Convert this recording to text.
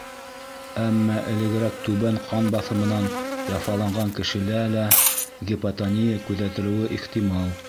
Әммә элегерәк түбән ҡан баҫымынан яфаланған кешелә лә гипотония күҙәтелеүе ихтимал.